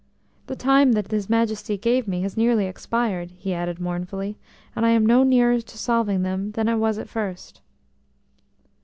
"The time that his Majesty gave me has nearly expired," he added mournfully, "and I am no nearer to solving them than I was at first."